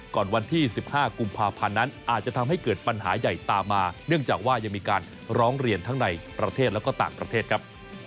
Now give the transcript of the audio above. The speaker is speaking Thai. วันที่๑๕กุมภาพันธ์นั้นอาจจะทำให้เกิดปัญหาใหญ่ตามมาเนื่องจากว่ายังมีการร้องเรียนทั้งในประเทศแล้วก็ต่างประเทศครับ